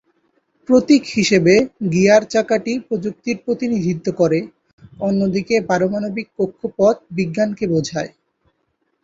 প্রতীক হিসাবে "গিয়ার চাকা"টি প্রযুক্তির প্রতিনিধিত্ব করে, অন্যদিকে পারমাণবিক কক্ষপথ বিজ্ঞানকে বোঝায়।